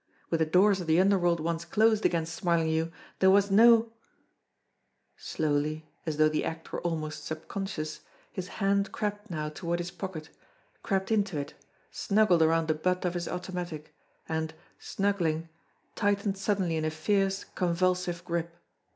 With the doors of the underworld once closed against Smarlinghue, there was no Slowly, as though the act were almost subconscious, his hand crept now toward his pocket, crept into it, snuggled around the butt of his automatic, and, snuggling, tightened suddenly in a fierce, convulsive grip.